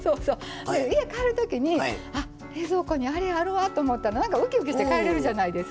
で家帰る時に「あ冷蔵庫にあれあるわ」と思ったらなんかうきうきして帰れるじゃないですか。